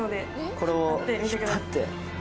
これを引っ張って。